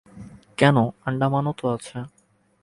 কেন, আণ্ডামানও তো আছে।